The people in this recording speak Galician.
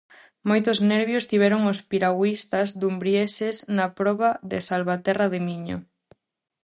Moitos nervios tiveron os piragüistas dumbrieses na proba de Salvaterra de Miño.